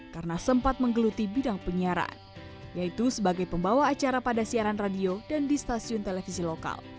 karena sempat menggeluti bidang penyiaran yaitu sebagai pembawa acara pada siaran radio dan di stasiun televisi lokal